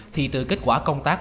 thì từ kết quả công tác